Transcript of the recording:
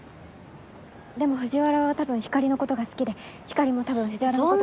でも藤原は多分ひかりのことが好きでひかりも多分藤原のことが。